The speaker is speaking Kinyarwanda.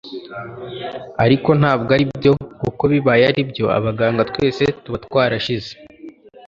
ariko ntabwo ari byo kuko bibaye aribyo abaganga twese tuba twarashize